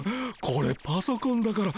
これパソコンだから。